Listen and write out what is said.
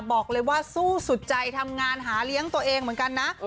บอกเลยว่าสู้สุดใจทำงานหาเลี้ยงตัวเองเหมือนกันนะ